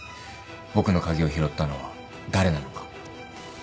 僕の鍵を拾ったのは誰なのか。